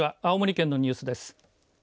青森県のニュースです。